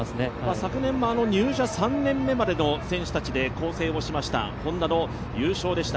昨年も入社３年目までの選手たちで構成をしましたＨｏｎｄａの優勝でした。